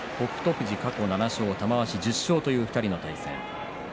富士は過去７勝玉鷲１０勝という２人の対戦。